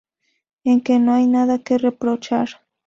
en que no hay nada que reprochar